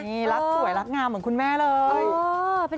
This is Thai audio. นี่รักสวยรักงามเหมือนคุณแม่เลย